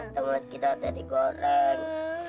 teman kita udah digoreng